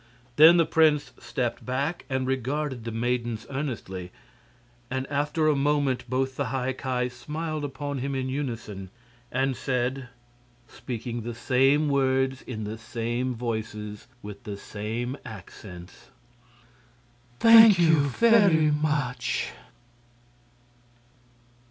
Then the prince stepped back and regarded the maidens earnestly, and after a moment both the High Ki smiled upon him in unison and said speaking the same words in the same voices and with the same accents: "Thank you very much!"